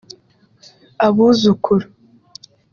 Abuzukuru